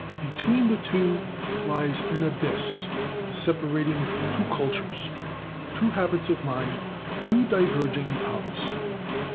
Between the two lies an abyss separating two cultures, two habits of mind, two diverging tongues.